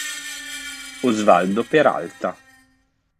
Osvaldo Peralta